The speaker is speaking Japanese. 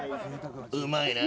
うまいな。